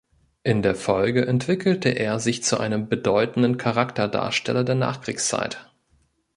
In der Folge entwickelte er sich zu einem bedeutenden Charakterdarsteller der Nachkriegszeit.